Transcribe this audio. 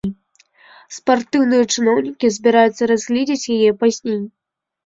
Спартыўныя чыноўнікі збіраюцца разгледзець яе пазней.